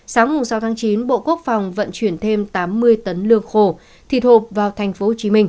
sáng sáu tháng chín bộ quốc phòng vận chuyển thêm tám mươi tấn lương khổ